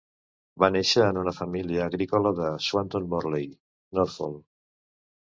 Va néixer en una família agrícola de Swanton Morley, Norfolk.